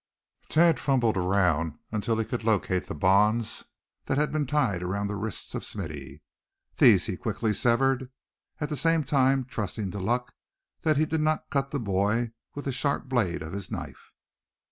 Thad fumbled around until he could locate the bonds that had been tied around the wrists of Smithy. These he quickly severed, at the same time trusting to luck that he did not cut the boy with the sharp blade of his knife.